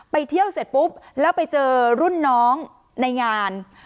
ไปเที่ยวเสร็จปุ๊บแล้วไปเจอรุ่นน้องในงาน